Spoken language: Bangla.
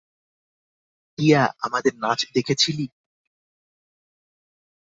টিয়া, আমাদের নাচ দেখেছিলি?